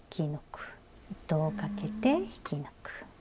糸をかけて引き抜く。